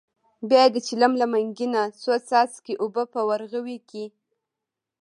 بیا یې د چلم له منګي نه څو څاڅکي اوبه په ورغوي کې.